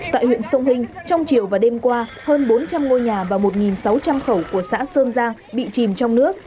tại huyện sông hinh trong chiều và đêm qua hơn bốn trăm linh ngôi nhà và một sáu trăm linh khẩu của xã sơn giang bị chìm trong nước